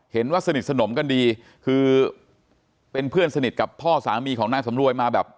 เห็นว่าสนิทสนมกันดีคือเป็นเพื่อนสนิทกับพ่อสามีของนางสำรวยมาแบบ